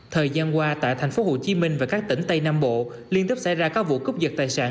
thời gian qua tại thành phố hồ chí minh và các tỉnh tây nam bộ liên tiếp xảy ra các vụ cúp giật tài sản